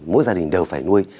mỗi gia đình đều phải nuôi